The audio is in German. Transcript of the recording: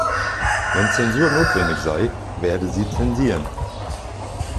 Wenn Zensur notwendig sei, werde sie zensieren.